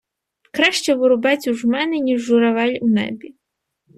Краще воробець у жмени, ніж: журавель у небі.